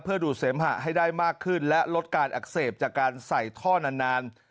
เพื่อดูดเสมหะให้ได้มากขึ้นและลดการอักเสบจากการใส่ท่อนาน